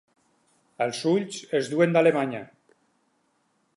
Els ulls els duen d'Alemanya.